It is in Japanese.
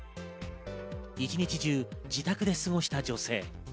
一日中、自宅で過ごした女性。